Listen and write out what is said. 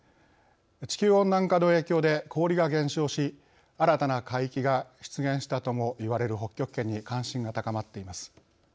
地球温暖化の影響で氷が減少し新たな海域が出現したともいわれる北極圏に関心が高まっています。